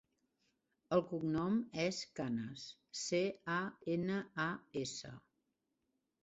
El cognom és Canas: ce, a, ena, a, essa.